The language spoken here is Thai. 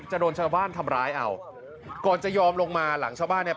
โดนชาวบ้านทำร้ายเอาก่อนจะยอมลงมาหลังชาวบ้านเนี่ย